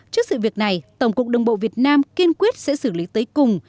trước sự việc này tổng cục đường bộ việt nam kiên quyết sẽ xử lý tới cùng